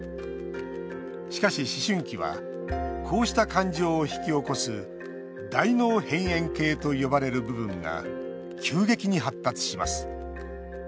しかし、思春期はこうした感情を引き起こす大脳辺縁系と呼ばれる部分が急激に発達します。